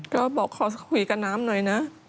ก็บอกขอคุยกับน้ำหน่อยนะ